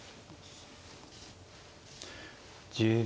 １０秒。